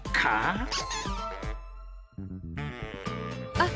あっ！